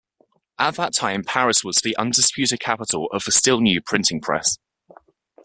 At that time Paris was the undisputed capital of the still-new printing press.